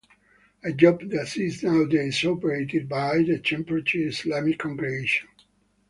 A job that is nowadays operated by The Tampere Islamic Congregation.